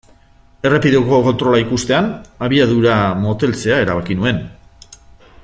Errepideko kontrola ikustean abiadura moteltzea erabaki nuen.